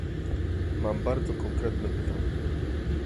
Mam bardzo konkretne pytanie